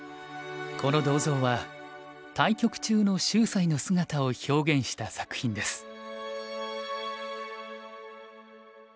この銅像は対局中の秀哉の姿を表現した作品です。